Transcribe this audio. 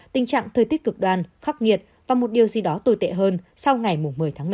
tình trạng thời tiết cực đoan khắc nghiệt và một điều gì đó tồi tệ hơn sau ngày một mươi tháng một mươi một